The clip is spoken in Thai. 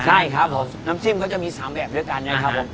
ใช่ครับผมน้ำจิ้มเขาจะมี๓แบบด้วยกันนะครับผม